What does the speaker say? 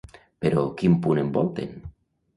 Però quin punt envolten?